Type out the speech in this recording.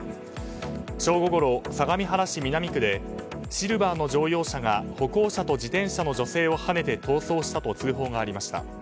正午ごろ相模原市南区でシルバーの乗用車が歩行者と自転車の女性をはねて逃走したと通報がありました。